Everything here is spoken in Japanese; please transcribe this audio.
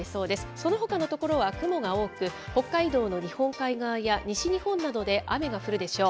そのほかの所は雲が多く、北海道の日本海側や西日本などで雨が降るでしょう。